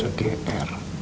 gak usah gr